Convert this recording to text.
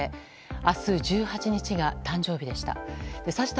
明日１８日が誕生日でした。